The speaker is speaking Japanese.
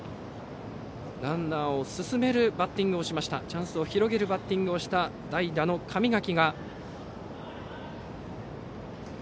ランナーを進めるバッティングをしましたチャンスを広げるバッティングをした代打の神垣。